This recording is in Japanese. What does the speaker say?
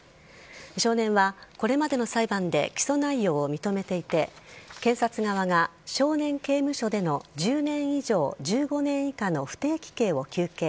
少年はこれまでの裁判で起訴内容を認めていて検察側が少年刑務所での１０年以上１５年以下の不定期刑を求刑。